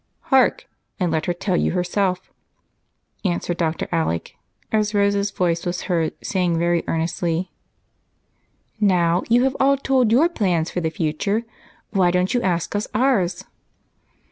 "Hark! And let her tell you herself," answered Dr. Alec, as Rose's voice was heard saying very earnestly, "Now, you have all told your plans for the future, why don't you ask us ours?"